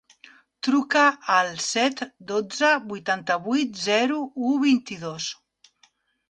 Truca al set, dotze, vuitanta-vuit, zero, u, vint-i-dos.